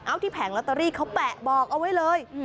เอาที่แผงลอตเตอรี่เขาแปะบอกเอาไว้เลย